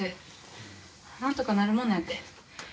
なんとかなるもんなんやって。